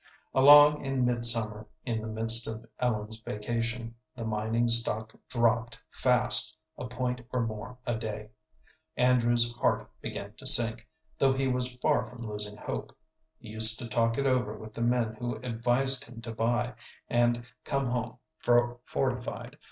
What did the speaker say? Along in midsummer, in the midst of Ellen's vacation, the mining stock dropped fast a point or more a day. Andrew's heart began to sink, though he was far from losing hope. He used to talk it over with the men who advised him to buy, and come home fortified.